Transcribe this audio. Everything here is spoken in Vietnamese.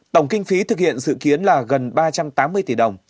tổng kinh phí thực hiện dự kiến là gần ba trăm tám mươi tỷ đồng